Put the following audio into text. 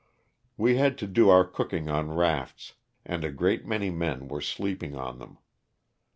We had to do our cooking on rafts, and a great many men were sleeping on them.